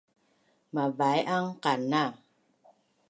Mavai’ang qana